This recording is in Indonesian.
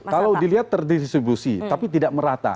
kalau dilihat terdistribusi tapi tidak merata